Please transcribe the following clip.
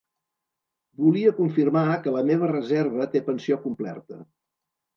Volia confirmar que la meva reserva té pensió complerta.